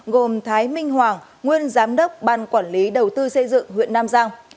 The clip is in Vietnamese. gồm thái minh hoàng nguyên giám đốc ban quản lý đầu tư xây dựng huyện nam giang